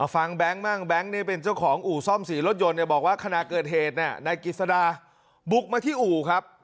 แบงค์บ้างแบงค์นี่เป็นเจ้าของอู่ซ่อมสีรถยนต์เนี่ยบอกว่าขณะเกิดเหตุนายกิจสดาบุกมาที่อู่ครับ